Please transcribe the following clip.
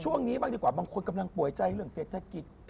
ช่วงนี้บ้างดีกว่าบางคนกำลังป่วยใจเรื่องเศรษฐกิจ